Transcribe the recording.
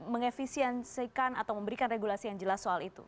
mengefisiensikan atau memberikan regulasi yang jelas soal itu